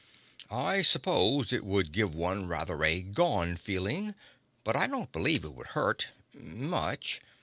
"I suppose it would give one rather a gone feeling, but I don't believe it would hurt—much!"